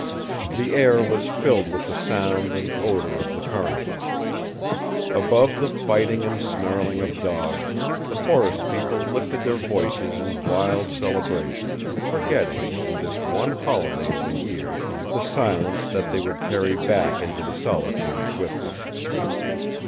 The air was filled with the sound and odor of the carnival. Above the fighting and snarling of dogs, the forest people lifted their voices in wild celebration, forgetting, in this one holiday of the year, the silence that they would carry back into the solitudes with them.